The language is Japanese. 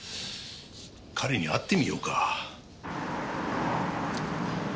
彼に会ってみようか。